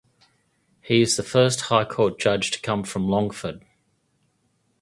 He is the first High Court judge to come from Longford.